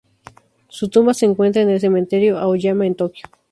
Su tumba se encuentra en el Cementerio Aoyama en Tokio.